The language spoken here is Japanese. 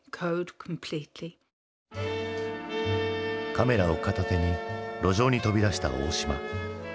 カメラを片手に路上に飛び出した大島。